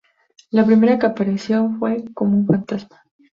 La primera que apareció fue "Como un fantasma".